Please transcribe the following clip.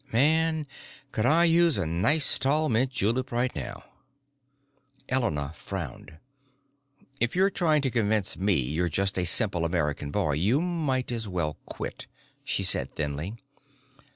"Man, could I use a nice tall mint julep right now." Elena frowned. "If you're trying to convince me you're just a simple American boy you might as well quit," she said thinly.